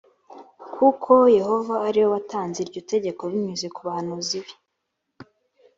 i kuko yehova ari we watanze iryo tegeko binyuze ku bahanuzi be